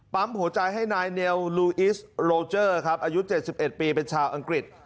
หัวใจให้นายเนลลูอิสโลเจอร์ครับอายุ๗๑ปีเป็นชาวอังกฤษ